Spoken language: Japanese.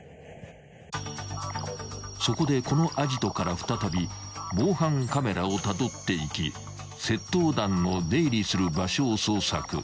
［そこでこのアジトから再び防犯カメラをたどっていき窃盗団の出入りする場所を捜索］